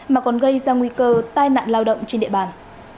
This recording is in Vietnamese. mà còn gây ra nguy cơ tai nạn lao động trên địa bàn